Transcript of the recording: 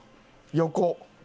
横。